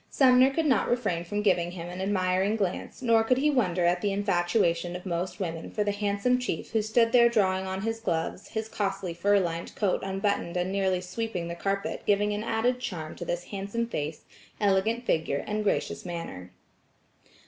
Sumner could not refrain from giving him an admiring glance nor could he wonder at the infatuation of most women for the handsome chief who stood there drawing on his gloves, his costly fur lined coat unbuttoned and nearly sweeping the carpet giving an added charm to this handsome face, elegant figure and gracious manner.